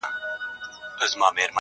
پر رخسار دي اورولي خدای د حُسن بارانونه،